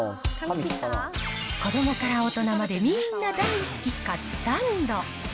子どもから大人までみーんな大好き、カツサンド。